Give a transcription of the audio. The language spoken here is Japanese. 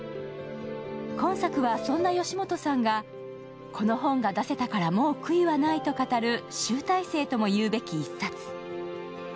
今作はそんな吉本さんがこの本が出せたからもう悔いはないと語る集大成ともいうべき一冊。